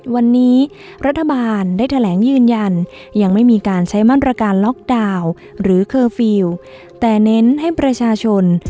วันนี้รัฐบาลได้แถลงยืนยัน